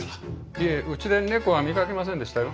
いえうちで猫は見かけませんでしたよ。